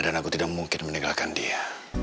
dan aku tidak mungkin meninggalkan dia